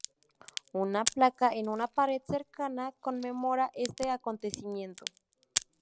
Una placa en una pared cercana conmemora este acontecimiento.